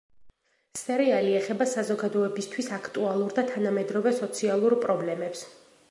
სერიალი ეხება საზოგადოებისთვის აქტუალურ და თანამედროვე სოციალურ პრობლემებს.